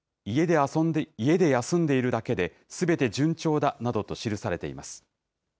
家で休んでいるだけで、すべて順調だなどと記されています。